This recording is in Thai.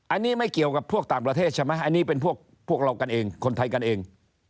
อันนี้ไม่เกี่ยวกับพวกต่างประเทศใช่ไหมอันนี้เป็นพวกเรากันเองคนไทยกันเอง